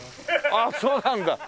ああそうなんだ。